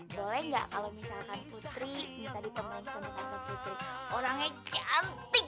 boleh gak kalau misalkan putri